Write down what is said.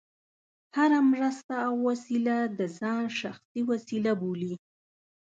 هره مرسته او وسیله د ځان شخصي وسیله بولي.